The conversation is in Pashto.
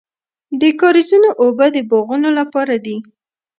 د کاریزونو اوبه د باغونو لپاره دي.